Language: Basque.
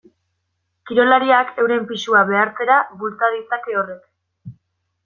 Kirolariak euren pisua behartzera bultza ditzake horrek.